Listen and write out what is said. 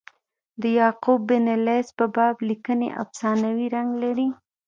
د یعقوب بن لیث په باب لیکني افسانوي رنګ لري.